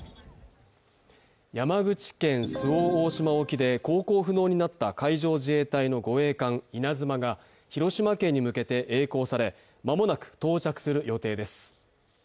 山口県周防大島沖で航行不能になった海上自衛隊の護衛艦「いなづま」が広島県に向けてえい航され、間もなく到着する予定です。